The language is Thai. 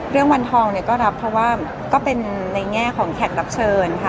วันทองเนี่ยก็รับเพราะว่าก็เป็นในแง่ของแขกรับเชิญค่ะ